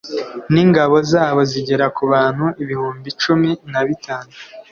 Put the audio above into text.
n'ingabo zabo zigera ku bantu ibihumbi cumi na bitanu